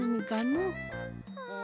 うん。